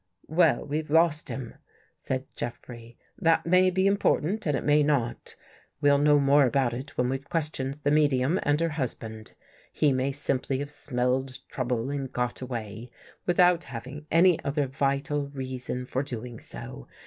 " Well, we've lost him," said Jeffrey. " That may be important, and it may not. We'll know more about it when we've questioned the medium and her husband. He may simply have smelled trouble and got away, without having any other vital reason for doing so.